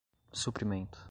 suprimento